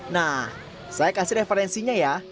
nah saya kasih referensinya ya